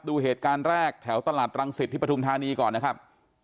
ดูเหตุการณ์แรกแถวตลาดรังสิตที่ปฐุมธานีก่อนนะครับ